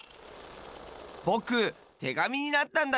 ぼくてがみになったんだよ！